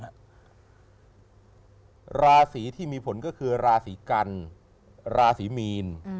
ราศีที่มีผลก็คือราศีกันราศีมีน